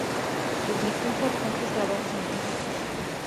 Publicó importantes trabajos científicos.